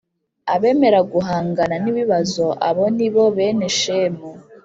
Abemera guhangana nibibazo abo ni bo bene shemu